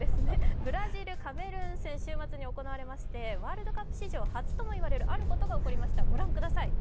ブラジル×カメルーン戦、週末に行われまして、ワールドカップ史上初とも言われるあることが起こりました、ご覧ください。